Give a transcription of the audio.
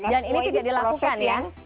dan ini tuh dilakukan ya